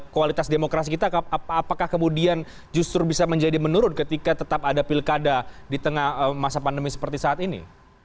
kualitas demokrasi kita apakah kemudian justru bisa menjadi menurun ketika tetap ada pilkada di tengah masa pandemi seperti saat ini